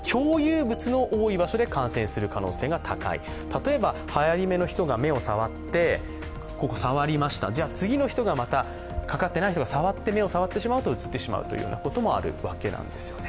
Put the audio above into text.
例えば、はやり目の人が目を触って、ここ、触りました、じゃ次の人がまたかかってない人が目を触ってうつってしまうこともあるんです。